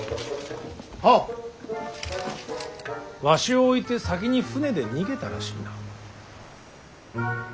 わしを置いて先に舟で逃げたらしいな。